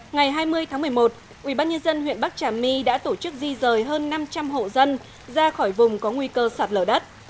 ngày hai mươi tháng một mươi một ubnd huyện bắc trà my đã tổ chức di rời hơn năm trăm linh hộ dân ra khỏi vùng có nguy cơ sạt lở đất